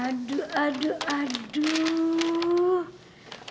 aduh aduh aduh